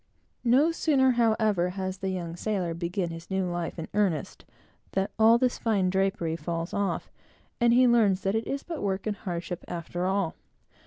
No sooner, however, has the young sailor begun his new life in earnest, than all this fine drapery falls off, and he learns that it is but work and hardship, after all.